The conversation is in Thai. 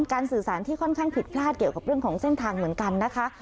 สื่อสารที่ค่อนข้างผิดพลาดเกี่ยวกับเรื่องของเส้นทางเหมือนกันนะคะ